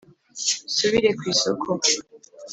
Nsubire ku isoko